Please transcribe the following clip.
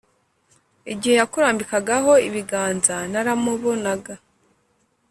igihe yakurambikagaho ibiganza naramubonaga